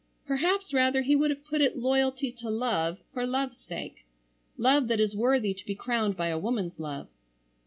Perhaps rather he would have put it loyalty to Love for Love's sake, love that is worthy to be crowned by a woman's love.